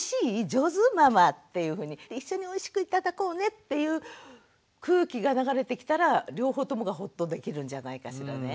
上手？ママ」っていうふうに一緒においしく頂こうねっていう空気が流れてきたら両方ともがほっとできるんじゃないかしらね。